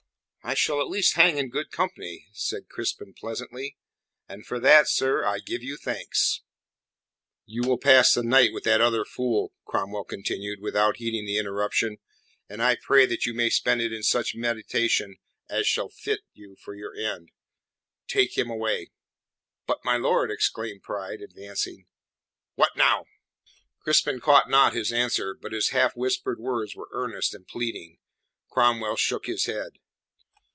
"I shall at least hang in good company," said Crispin pleasantly, "and for that, sir, I give you thanks." "You will pass the night with that other fool," Cromwell continued, without heeding the interruption, "and I pray that you may spend it in such meditation as shall fit you for your end. Take him away." "But, my lord," exclaimed Pride, advancing. "What now?" Crispin caught not his answer, but his half whispered words were earnest and pleading. Cromwell shook his head.